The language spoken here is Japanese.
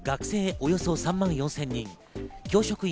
およそ３万４０００人、教職員